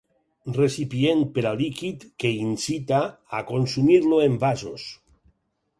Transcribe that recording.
Recipient per a líquid que incita a consumir-lo en vasos.